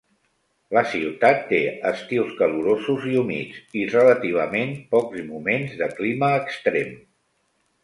La ciutat té estius calorosos i humits, i relativament pocs moments de clima extrem.